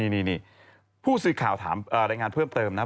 นี่ผู้สื่อข่าวถามรายงานเพิ่มเติมนะครับ